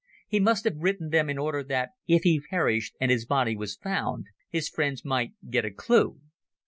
He must have written them in order that, if he perished and his body was found, his friends might get a clue.